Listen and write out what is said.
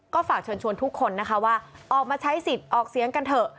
ก็ฝากเชิญชวนทุกคนนะคะว่าออกมาใช้สิทธิ์ออกเสียงกันเถอะ